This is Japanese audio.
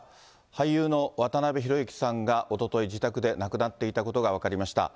俳優の渡辺裕之さんがおととい、自宅で亡くなっていたことが分かりました。